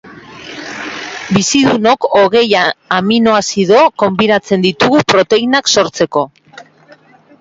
Bizidunok hogei aminoazido konbinatzen ditugu proteinak sortzeko.